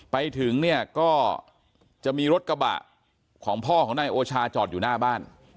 ไปถึงเนี่ยก็จะมีรถกระบะของพ่อของนายโอชาจอดอยู่หน้าบ้าน